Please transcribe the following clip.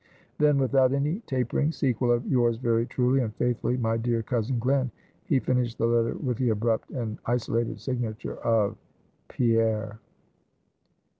Then, without any tapering sequel of "Yours, very truly and faithfully, my dear Cousin Glen," he finished the letter with the abrupt and isolated signature of "PIERRE."